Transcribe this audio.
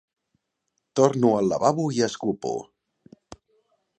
Torno al lavabo i escupo.